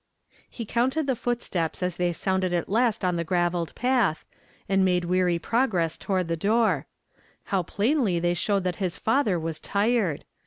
He counted the footsteps as they sounded at last on the gravelled path, and made weary prog ress toward the door; how plainly they slunvcd that his father was tired